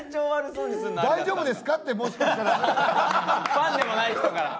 ファンでもない人から。